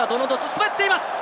滑っています。